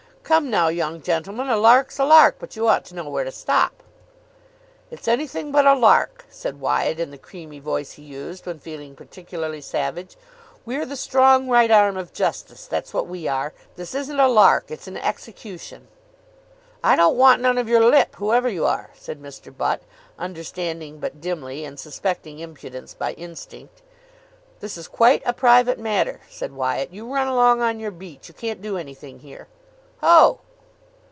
Come now, young gentleman, a lark's a lark, but you ought to know where to stop." "It's anything but a lark," said Wyatt in the creamy voice he used when feeling particularly savage. "We're the Strong Right Arm of Justice. That's what we are. This isn't a lark, it's an execution." "I don't want none of your lip, whoever you are," said Mr. Butt, understanding but dimly, and suspecting impudence by instinct. "This is quite a private matter," said Wyatt. "You run along on your beat. You can't do anything here." "Ho!"